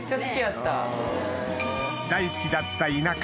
大好きだった田舎